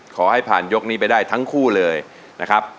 ขอให้ผ่านยกนี้ไปได้ทั้งคู่เลยนะครับ